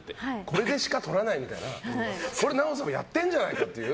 これでしか撮らないみたいなこれＮＡＯＴＯさんもやってるんじゃないかっていう。